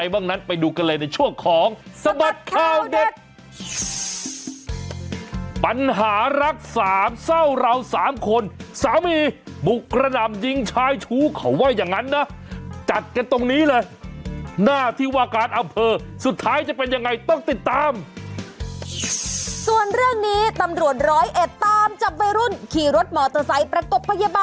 สวัสดีครับสวัสดีครับสวัสดีครับสวัสดีครับสวัสดีครับสวัสดีครับสวัสดีครับสวัสดีครับสวัสดีครับ